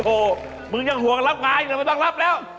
ธูปเจ้ายังหวังล๊อคลาอีกก็ไม่ต้องล๊อคแล้ว